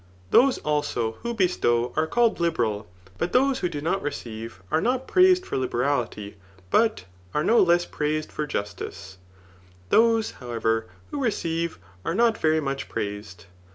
Those, aIso> who bestow »re called liberal ; but those who do not recave, are not praised for liberality, but 9xe no less praised for; jwtke. Those, however, who receive, are not very much pcaised.